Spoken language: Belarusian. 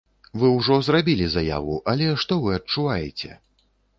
Вы ўжо зрабілі заяву, але што вы адчуваеце?